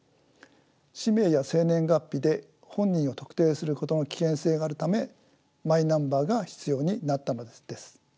氏名や生年月日で本人を特定することの危険性があるためマイナンバーが必要になったのです。